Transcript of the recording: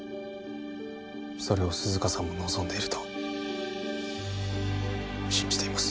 それを涼香さんも望んでいると信じています